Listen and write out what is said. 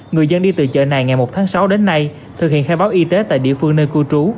người dân đi từ chợ này ngày một tháng sáu đến nay thực hiện khai báo y tế tại địa phương nơi cư trú